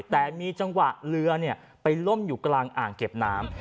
แต่มีจังหวะเรือไปล่มอยู่กลางอ่างเก็บน้ำ